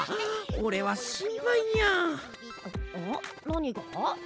なにが？